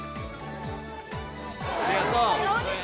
ありがとう。